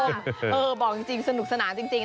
บอกจริงสนุกสนานจริง